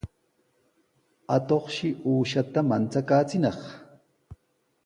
Atuqshi uushata manchakaachinaq.